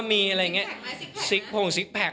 มีสิคแพคมั้ยสิคแพคมั้ยสิคแพค